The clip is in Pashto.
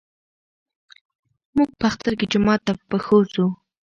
موږ په اختر کې جومات ته په پښو ځو.